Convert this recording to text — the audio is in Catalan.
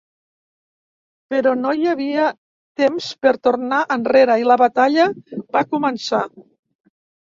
Però no hi havia temps per tornar enrere i la batalla va començar.